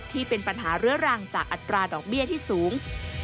ที่เป็นปัญหาเรื้อรังจากอัตราดอกเบี้ยที่สูง